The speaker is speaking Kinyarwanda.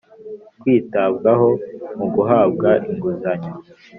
kwitabwaho mu guhabwa inguzanyo